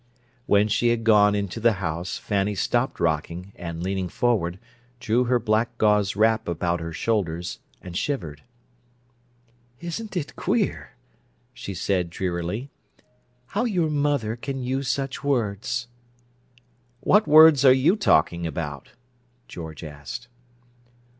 When she had gone into the house, Fanny stopped rocking, and, leaning forward, drew her black gauze wrap about her shoulders and shivered. "Isn't it queer," she said drearily, "how your mother can use such words?" "What words are you talking about?" George asked.